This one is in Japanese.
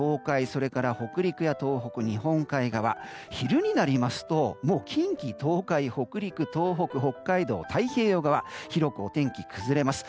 それから北陸や東海、日本海側昼になりますともう近畿、東海、北陸、東北北海道、太平洋側広くお天気崩れます。